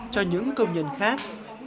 cho những công nhân khác